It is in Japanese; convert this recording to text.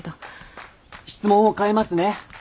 質問を変えますね。